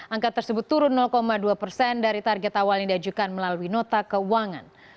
angka tersebut turun dua persen dari target awal yang diajukan melalui nota keuangan